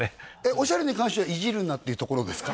オシャレに関してはいじるなっていうところですか？